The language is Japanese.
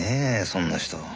そんな人。